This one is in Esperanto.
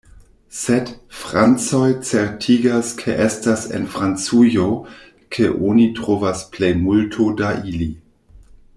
Sed... francoj certigas ke estas en Francujo ke oni trovas plej multo da ili.